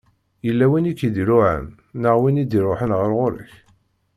Yella win i k-id-iluɛan, neɣ win i d-iruḥen ɣer ɣur-k?